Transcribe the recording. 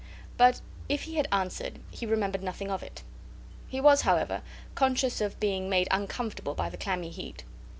But if he had answered he remembered nothing of it. He was, however, conscious of being made uncomfortable by the clammy heat.